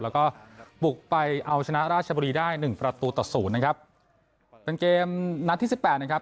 แล้วก็บุกไปเอาชนะราชบุรีได้หนึ่งประตูต่อศูนย์นะครับเป็นเกมนัดที่สิบแปดนะครับ